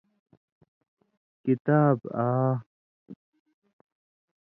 کتاب آ